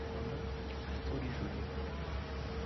Arthur e Julia